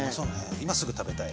今すぐ食べたい。